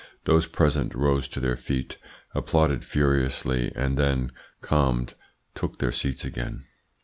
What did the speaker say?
Those present rose to their feet, applauded furiously, and then, calmed, took their seats again.